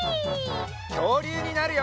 きょうりゅうになるよ！